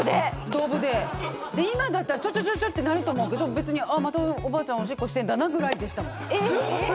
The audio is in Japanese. ドブでで今だったら「ちょっちょっ」ってなると思うけどべつに「ああまたおばあちゃんおしっこしてんだな」ぐらいでしたえっ！？